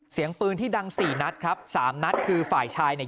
เสียงปืนที่ดังสี่นัดครับสามนัดคือฝ่ายชายเนี่ย